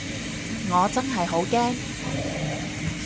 我真係好驚